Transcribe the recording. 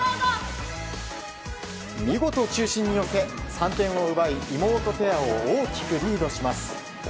見事、中心に寄せ３点を奪い妹ペアを大きくリードします。